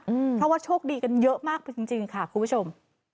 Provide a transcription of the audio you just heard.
เพราะว่าโชคดีกันเยอะมากจริงจริงค่ะคุณผู้ชม